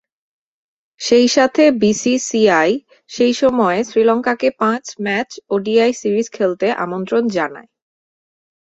সেই সাথে বিসিসিআই সেই সময়ে শ্রীলঙ্কাকে পাঁচ ম্যাচ ওডিআই সিরিজ খেলতে আমন্ত্রণ জানায়।